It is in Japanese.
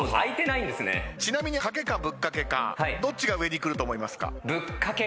ちなみにかけかぶっかけかどっちが上にくると思いますか。